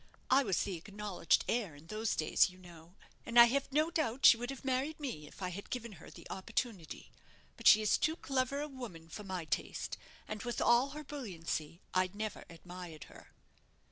I was the acknowledged heir in those days, you know, and I have no doubt she would have married me if I had given her the opportunity. But she is too clever a woman for my taste; and with all her brilliancy, I never admired her."